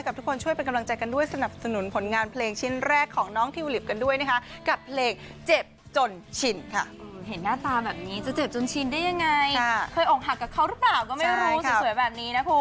ก็ไม่รู้สวยแบบนี้นะคุณ